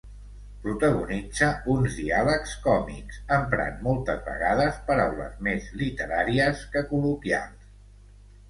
Protagonitza uns diàlegs còmics, emprant moltes vegades paraules més literàries que col·loquials.